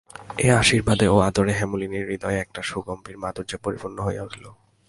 এই আশীর্বাদে ও আদরে হেমনলিনীর হৃদয় একটি সুগম্ভীর মাধুর্যে পরিপূর্ণ হইয়া উঠিল।